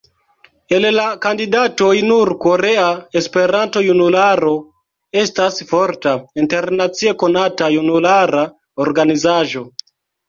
El la kandidatoj nur Korea Esperanto-Junularo estas forta, internacie konata junulara organizaĵo.